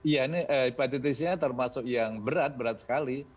ya ini hepatitisnya termasuk yang berat berat sekali